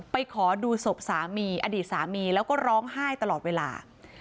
ขอดูศพสามีอดีตสามีแล้วก็ร้องไห้ตลอดเวลา